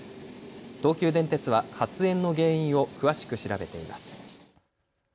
東急電鉄は発煙の原因を詳しく調べています。